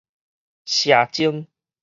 射精